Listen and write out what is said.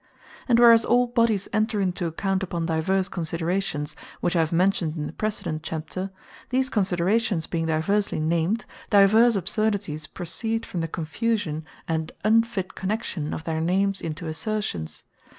And whereas all bodies enter into account upon divers considerations, (which I have mentioned in the precedent chapter;) these considerations being diversly named, divers absurdities proceed from the confusion, and unfit connexion of their names into assertions.